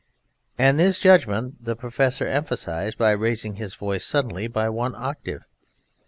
And this judgment the Professor emphasized by raising his voice suddenly by one octave.